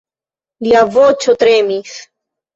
Lia voĉo tremis.